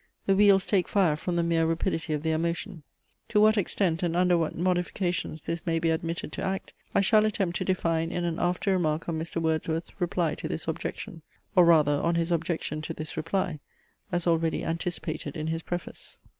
The wheels take fire from the mere rapidity of their motion. To what extent, and under what modifications, this may be admitted to act, I shall attempt to define in an after remark on Mr. Wordsworth's reply to this objection, or rather on his objection to this reply, as already anticipated in his preface.